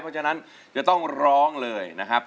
เพราะฉะนั้นจะต้องร้องเลยนะครับ